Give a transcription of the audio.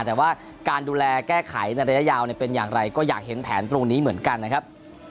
แต่ว่าการดูแลแก้ไขในระยะยาวเป็นอย่างไรก็อยากเห็นแผนตรงนี้เหมือนกันนะครับ